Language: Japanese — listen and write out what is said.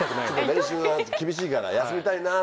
練習が厳しいから休みたいなぁって。